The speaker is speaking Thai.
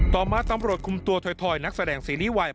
ต่อมาตำรวจคุมตัวถอยนักแสดงซีรีส์วัย